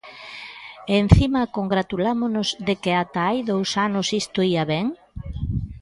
¿E encima congratulámonos de que ata hai dous anos isto ía ben?